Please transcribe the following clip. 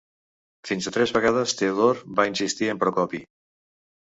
Fins a tres vegades Teodor va insistir amb Procopi.